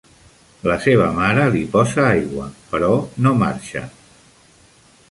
La seva mare li posa aigua, però no marxa.